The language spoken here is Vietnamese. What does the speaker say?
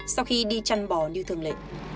sau khi đem tài sản về nhà chị bùi thị e không trở về nhà